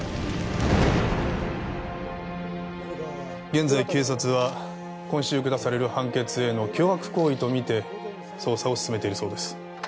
現在警察は今週下される判決への脅迫行為とみて捜査を進めているそうです。